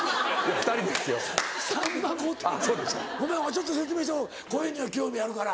ちょっと説明して声には興味あるから。